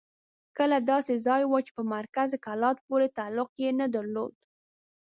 کلی داسې ځای وو چې په مرکز کلات پورې تعلق یې نه درلود.